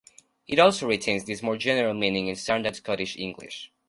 It also retains this more general meaning in standard Scottish English.